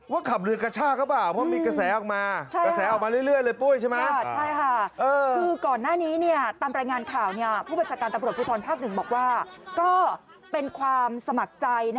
ว่าขับเรือกระชากก็เปล่าเพราะมีกระแสออกมา